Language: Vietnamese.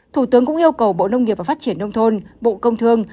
thủ tướng cũng yêu cầu bộ nông nghiệp và phát triển nông thôn bộ công thương